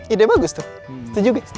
ide bagus tuh setuju gak